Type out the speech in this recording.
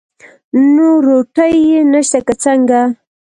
نو روټۍ نشته که څنګه؟